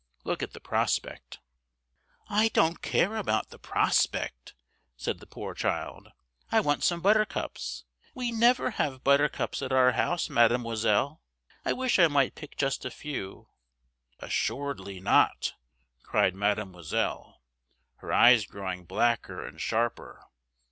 Look at the prospect!" "I don't care about the prospect!" said the poor child. "I want some buttercups. We never have buttercups at our house, Mademoiselle. I wish I might pick just a few!" "Assuredly not!" cried Mademoiselle, her eyes growing blacker and sharper.